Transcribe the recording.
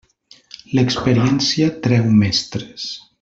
L'experiència treu mestres.